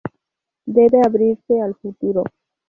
Debe abrirse al futuro.